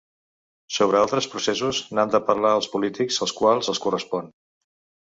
Sobre altres processos, n’han de parlar els polítics als quals els correspon.